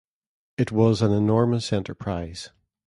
It was an enormous enterprise.